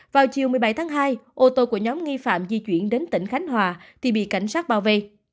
vào chiều một mươi bảy tháng hai ô tô của nhóm nghi phạm di chuyển đến tỉnh khánh hòa thì bị cảnh sát bao vây